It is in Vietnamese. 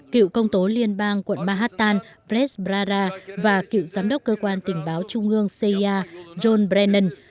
cựu công tố liên bang quận mahattan presbara và cựu giám đốc cơ quan tình báo trung ương cia john brennan